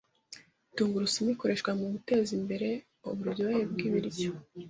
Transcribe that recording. Tungurusumu ikoreshwa mugutezimbere uburyohe bwibiryo.